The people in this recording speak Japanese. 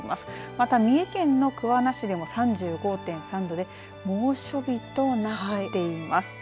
また三重県の桑名市でも３５．３度で猛暑日となっています。